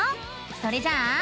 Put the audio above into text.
それじゃあ。